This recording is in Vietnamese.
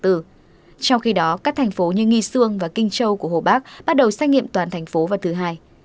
trong khi đó các thành phố như nghi sương và kinh châu của hồ bắc bắt đầu xét nghiệm toàn thành phố vào thứ hai